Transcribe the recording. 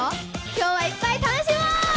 今日はいっぱい楽しもう！